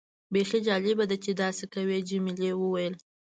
بیخي جالبه ده چې داسې کوي. جميلې وويل:.